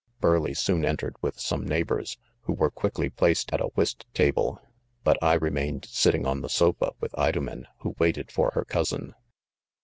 Burleigh soon entered with some neighbors, who were quickly placed at a whist table ; but 1 remained sitting on the sofa, with Idomen, who waited for her cousin.